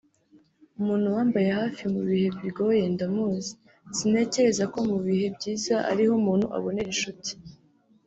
“Umuntu wambaye hafi mu bihe bigoye ndamuzi sintekereza ko mu bihe byiza ari ho umuntu abonera inshuti